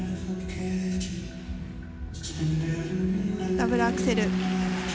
ダブルアクセル。